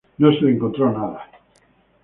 No se le encontró nada.